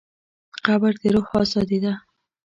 قبر د روح ازادي ده.